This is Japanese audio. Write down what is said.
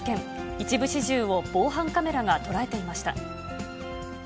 一部始終を防犯カメラが捉えていました。